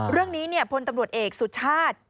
เรื่องนี้เนี่ยพลตำรวจเอกสุชาติ